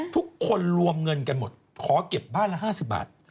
ทุกคนรวมเงินกันหมดขอเก็บบ้านละ๕๐บาท